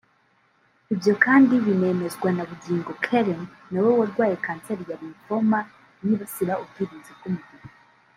Ibyo kandi binemezwa na Bugingo Karen na we warwaye kanseri ya Lymphoma yibasira ubwirinzi bw’umubiri